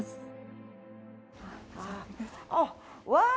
あっうわ！